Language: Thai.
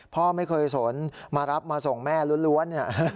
พ่อไม่เคยสนมารับมาส่งแม่ล้วนเนี่ย